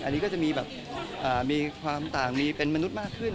อันนี้ก็จะมีแบบมีความต่างมีเป็นมนุษย์มากขึ้น